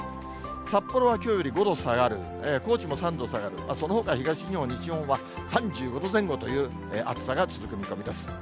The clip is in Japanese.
札幌はきょうより５度下がる、高知も３度下がる、そのほか東日本、西日本は、３５度前後という暑さが続く見込みです。